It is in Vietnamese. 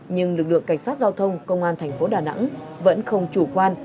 nhưng lực lượng cảnh sát giao thông công an thành phố đà nẵng vẫn không chủ quan